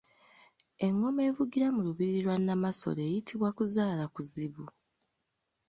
Engoma evugira mu lubiri lwa Namasole eyitibwa Kuzaalakuzibu.